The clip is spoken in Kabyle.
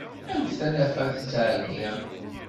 Anef tanafa tettɛeggiḍ.